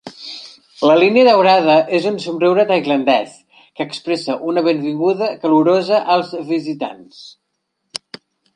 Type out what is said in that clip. La línia daurada és un somriure tailandès, que expressa una benvinguda calorosa als visitants.